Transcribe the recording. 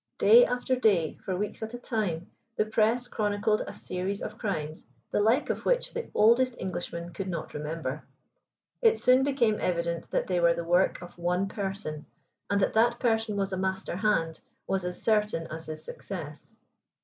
Day after day, for weeks at a time, the Press chronicled a series of crimes, the like of which the oldest Englishman could not remember. It soon became evident that they were the work of one person, and that that person was a master hand was as certain as his success.